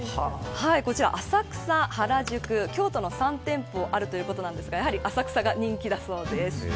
こちら浅草、原宿、京都の３店舗あるということなんですがやはり浅草が人気だそうです。